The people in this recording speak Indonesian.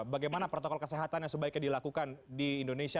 bagaimana protokol kesehatan yang sebaiknya dilakukan di indonesia